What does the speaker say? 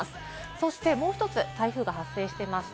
そしてもう１つ台風が発生しています。